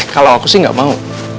kalau aku sih gak mau